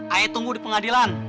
ayah tunggu di pengadilan